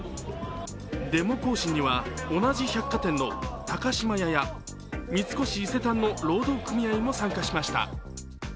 デモ行進には同じ百貨店の高島屋や三越伊勢丹の労働組合も参加しました